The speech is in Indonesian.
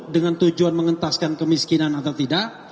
dengan tujuan mengentaskan kemiskinan atau tidak